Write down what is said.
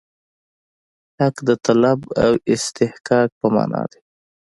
حق د طلب او استحقاق په معنا دی.